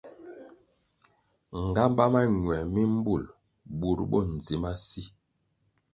Nğámbá mañuer mi mbul bur bo ndzi ma si.